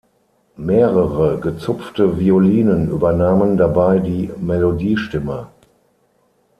Mehrere gezupfte Violinen übernahmen dabei die Melodiestimme.